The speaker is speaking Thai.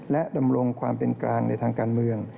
และดำรงความเป็นกลางในทางการเมือง